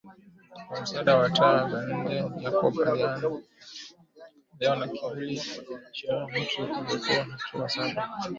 Kwa msaada wa taa za nje Jacob aliona kivuli cha mtu alikuwa hatua saba